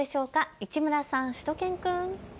市村さん、しゅと犬くん。